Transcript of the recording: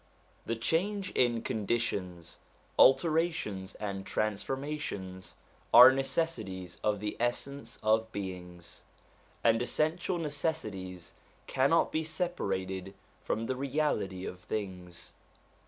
The change in conditions, alterations, and transformations, are necessities of the essence of beings; and essential necessities cannot be separated from the reality of things.